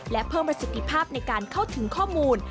และเพิ่มประสิทธิภาพในการเข้าถึงข้อมูล